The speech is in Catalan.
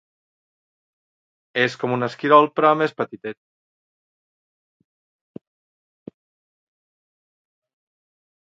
És com un esquirol però més petitet.